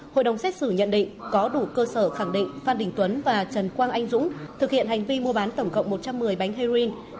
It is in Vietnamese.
hội đồng xét xử nhận định có đủ cơ sở khẳng định phan đình tuấn và trần quang anh dũng thực hiện hành vi mua bán tổng cộng một trăm một mươi bánh heroin